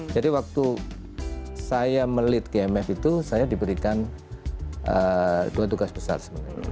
jadi waktu saya melit gmf itu saya diberikan dua tugas besar sebenarnya